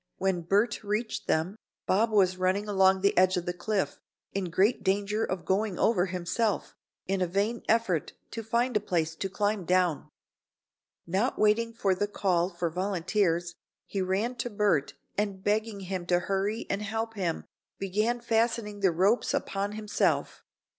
When Bert reached them, Bob was running along the edge of the cliff, in great danger of going over himself, in a vain effort to find a place to climb down. Now, not waiting for the call for volunteers, he ran to Bert and begging him to hurry and help him, began fastening the ropes about himself.